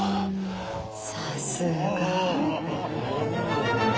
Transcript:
さすが。